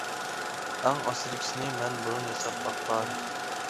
ئەڭ ئاستىدىكىسىنى مەن بۇرۇن ياساپ باققان.